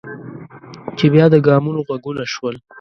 چې بیا د ګامونو غږونه شول.